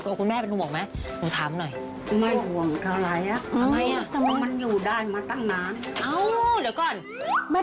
ปูย์อย่าทำไม